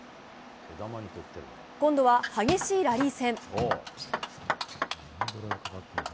今度は激しいラリー戦。